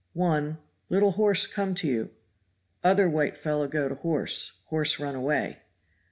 One little horse come to you; other white fellow go to horse horse run away.